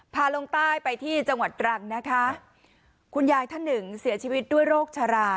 ลงใต้ไปที่จังหวัดตรังนะคะคุณยายท่านหนึ่งเสียชีวิตด้วยโรคชรา